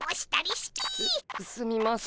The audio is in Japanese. すすみません。